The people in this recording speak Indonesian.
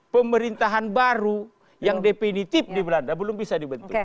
pemerintahan baru yang definitif di belanda belum bisa dibentuk